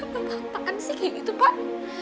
bapak makan sih kayak gitu pak